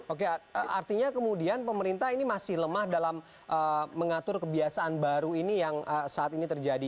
oke artinya kemudian pemerintah ini masih lemah dalam mengatur kebiasaan baru ini yang saat ini terjadi